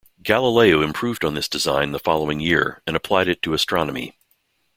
Galileo improved on this design the following year and applied it to astronomy.